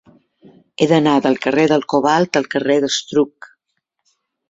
He d'anar del carrer del Cobalt al carrer d'Estruc.